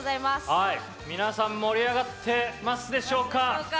はい皆さん盛り上がってますでしょうか？